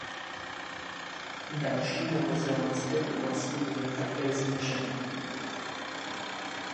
Další novozélandské oblasti byly také zničeny.